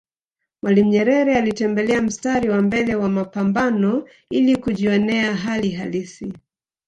Mwalimu Nyerere alitembelea mstari wa mbele wa mapambano ili kujjionea hali halisi